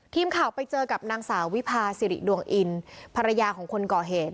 ทีมข่าวไปเจอกับนางสาววิพาสิริดวงอินภรรยาของคนก่อเหตุ